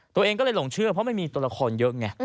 ตัวเองก็เลยหลงเชื่อเพราะมันมีตัวละครเยอะไง